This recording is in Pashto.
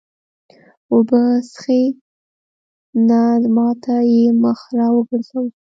اوبه څښې؟ نه، ما ته یې مخ را وګرځاوه.